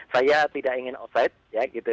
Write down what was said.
saya tidak ingin off site ya gitu